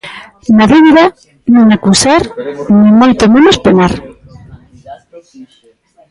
Na dúbida, nin acusar nin moito menos penar.